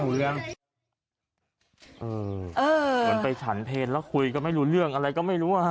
เหมือนไปฉันเพลแล้วคุยกันไม่รู้เรื่องอะไรก็ไม่รู้